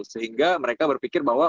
sehingga mereka berpikir bahwa